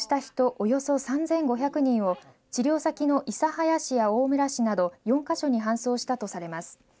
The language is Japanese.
およそ３５００人を治療先の諫早市や大村市など４か所に搬送したとされます。